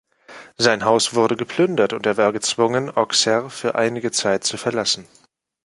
Sein Haus wurde geplündert und er war gezwungen, Auxerre für einige Zeit zu verlassen.